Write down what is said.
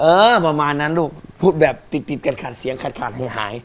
เออประมาณนั้นลูกพูดแบบติดติดกันขาดเสียงขาดขาดหาย